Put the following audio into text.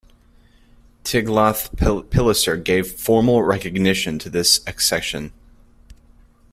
Tiglath-Pileser gave formal recognition to this accession.